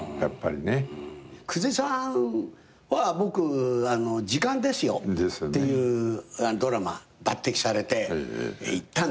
久世さんは僕『時間ですよ』っていうドラマ抜てきされて行ったんですけど。